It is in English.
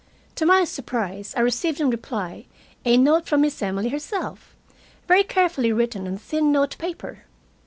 To my surprise, I received in reply a note from Miss Emily herself, very carefully written on thin note paper.